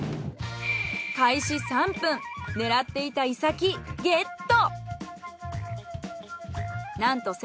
開始３分狙っていたイサキゲット。